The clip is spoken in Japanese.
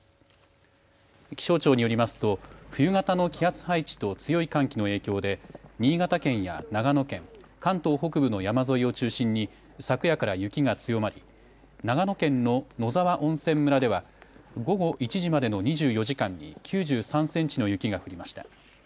気象庁によりますと冬型の気圧配置と強い寒気の影響で新潟県や長野県関東北部の山沿いを中心に昨夜から雪が強まり長野県の野沢温泉村では午後１時までの２４時間に９３センチの雪が降りました。